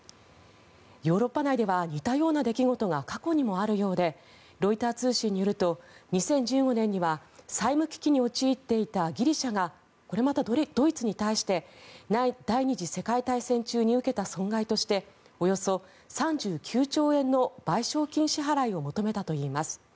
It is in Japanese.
ヨーロッパ内では似たような出来事が過去にもあるようでロイター通信によると２０１５年には債務危機に陥っていたギリシャがこれまたドイツに対して第２次世界大戦中に受けた損害としておよそ３９兆円の賠償金支払いを求めたといいます。